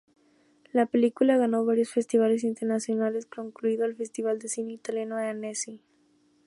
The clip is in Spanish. La película ganó varios festivales internacionales, incluido el Festival de Cine Italiano de Annecy.